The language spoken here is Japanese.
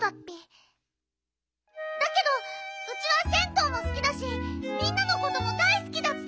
だけどウチは銭湯もすきだしみんなのことも大すきだッピ。